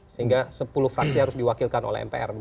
sehingga sepuluh fraksi harus diwakilkan oleh mpr